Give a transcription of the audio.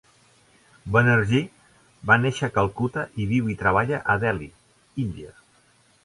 Banerjee va néixer a Calcuta i viu i treballa a Delhi, India.